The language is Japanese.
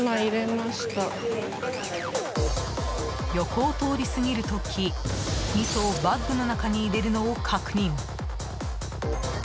横を通り過ぎる時みそをバッグの中に入れるのを確認。